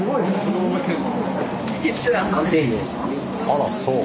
あらそう。